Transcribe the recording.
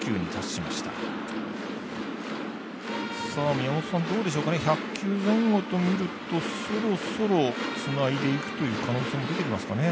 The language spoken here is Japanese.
宮本さん１００球前後とするとそろそろつないでいくという可能性も出てきますかね。